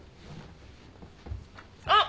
あっ。